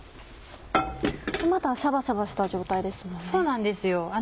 まだシャバシャバした状態ですもんね。